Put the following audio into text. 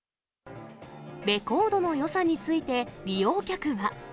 レコードのよさについて、利用客は。